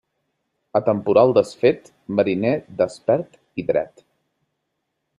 A temporal desfet, mariner despert i dret.